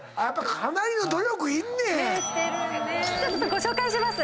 ご紹介します。